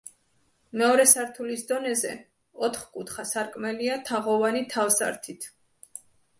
მეორე სართულის დონეზე, ოთხკუთხა სარკმელია, თაღოვანი თავსართით.